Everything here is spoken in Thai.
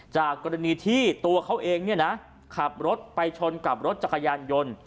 จากกรณีที่ตัวเขาเองเนี่ยนะขับรถไปชนกับรถจักรยานยนต์